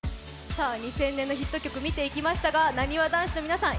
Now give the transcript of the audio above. さあ２０００年のヒット曲見ていきましたがなにわ男子の皆さん